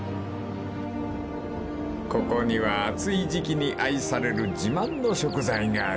［ここには暑い時季に愛される自慢の食材がある］